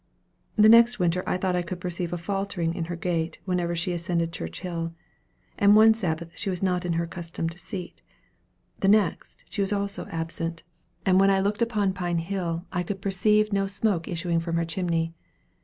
The next winter I thought I could perceive a faltering in her gait whenever she ascended Church Hill; and one Sabbath she was not in her accustomed seat. The next, she was also absent; and when I looked upon Pine Hill, I could perceive no smoke issuing from her chimney.